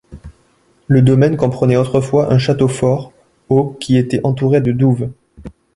Le domaine comprenait autrefois un château fort au qui était entouré de douves.